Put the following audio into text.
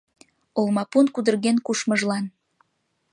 Олмапун кудырген кушмыжлан.